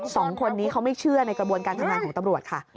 สองคนนี้เขาไม่เชื่อในกระบวนการทำงานของตำรวจค่ะ